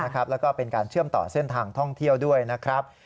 แล้วก็เป็นการเชื่อมต่อเส้นทางท่องเที่ยวด้วยนะครับ